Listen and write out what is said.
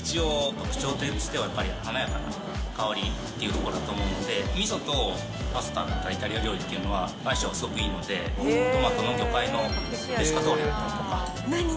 特徴としては、やっぱり華やかな香りというところだと思うので、みそとパスタのイタリア料理というのは相性すごくいいので、トマトと魚介のペスカトーレですとか。